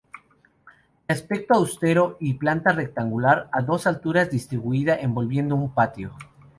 De aspecto austero y planta rectangular a dos alturas distribuida envolviendo un patio.